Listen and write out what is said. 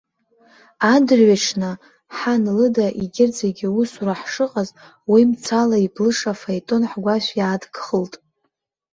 Адырҩаҽны, ҳан лыда егьырҭ зегьы усура ҳшыҟаз, уи мцала иблыша афаетон ҳгәашә иаадгылахт.